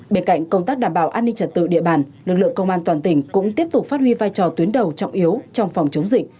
bên cạnh công tác đảm bảo an ninh trật tự địa bàn lực lượng công an toàn tỉnh cũng tiếp tục phát huy vai trò tuyến đầu trọng yếu trong phòng chống dịch